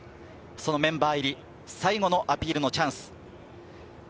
そのメンバー入り最後のアピールのチャンス。